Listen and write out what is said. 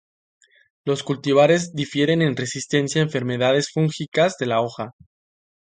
Los cultivares difieren en resistencia a enfermedades fúngicas de la hoja.